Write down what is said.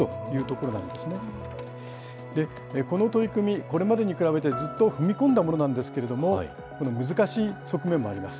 この取り組み、これまでに比べてずっと踏み込んだものなんですけれども、この難しい側面もあります。